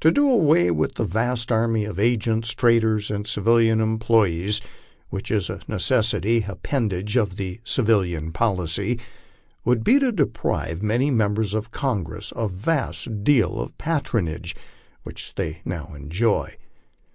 To do away with the vast army of agents, traders, and civilian employees which is a necessary appendage of the civilian oolicy, would be to deprive many members of Congress of a vast deal of patronage which they now enjoy.